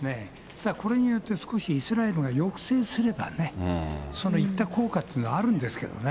さあ、これによって、少しイスラエルが抑制すればね、その行った効果っていうのはあるんですけどね。